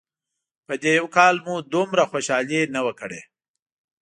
په دې یو کال مو دومره خوشحالي نه وه کړې.